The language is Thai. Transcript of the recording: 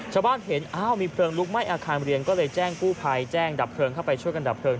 ชาวบ้านเห็นอ้าวมีเพลิงลุกไหม้อาคารเรียนก็เลยแจ้งกู้ภัยแจ้งดับเพลิงเข้าไปช่วยกันดับเลิง